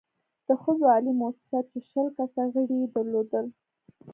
د ښځو عالي مؤسسه چې شل کسه غړې يې درلودل،